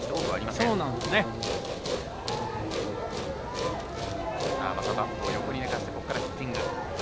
またバットを横に寝かしてそこからヒッティング。